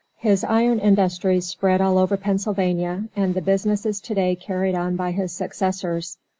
His iron industries spread all over Pennsylvania, and the business is to day carried on by his successors.